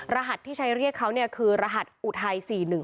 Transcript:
รหัสที่ชัยเรียกเขาเนี่ยคือรหัสอุทัย๔๑๖